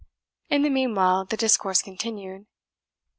In the meanwhile, the discourse continued.